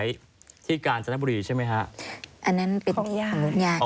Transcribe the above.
ในที่การจาน้ำบุรีใช่ไหมครับ